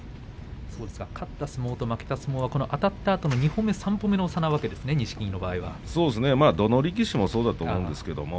勝った相撲と負けた相撲はあたったあとの２歩目、３歩目のどの力士もそうだと思うんですけど